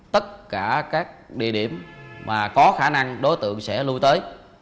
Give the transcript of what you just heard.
tất cả các địa điểm mà có khả năng đối tượng sẽ lui tới